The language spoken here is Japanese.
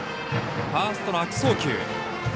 ファーストの悪送球。